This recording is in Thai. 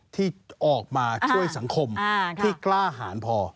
ที่ออกมาช่วยสังคมที่กล้าหารพอ